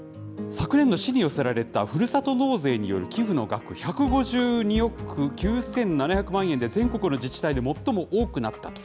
昨年度、市に寄せられたふるさと納税による寄付の額、１５２億９７００万円で、全国の自治体で最も多くなったと。